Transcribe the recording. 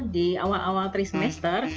di awal awal trimester